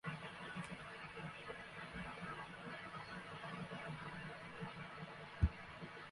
新疆铁角蕨为铁角蕨科铁角蕨属下的一个种。